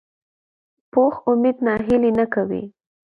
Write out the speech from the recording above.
پوخ امید ناهیلي نه کوي